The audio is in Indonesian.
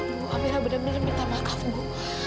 ibu amira bener bener minta maaf ibu